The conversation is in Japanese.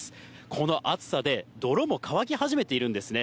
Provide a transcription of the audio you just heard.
この暑さで、泥も乾き始めているんですね。